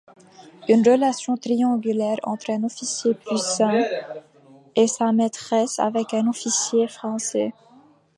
Une relation triangulaire entre un officier prussien et sa maîtresse avec un officier français.